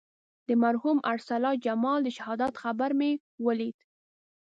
د مرحوم ارسلا جمال د شهادت خبر مې ولید.